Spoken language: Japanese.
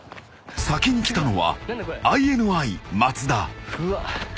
［先に来たのはＩＮＩ松田］